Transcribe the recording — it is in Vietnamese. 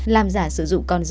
làm giả sử dụng con dấu